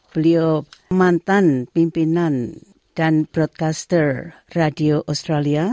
beliau mantan pimpinan dan broadcaster radio australia